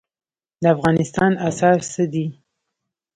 د افغانستان اسعار څه دي؟